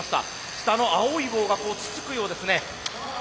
下の青い棒がこうつつくようですね。